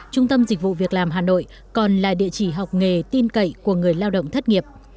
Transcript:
trung tâm dịch vụ việc làm hà nội còn là địa chỉ học nghề tin cậy của người lao động thất nghiệp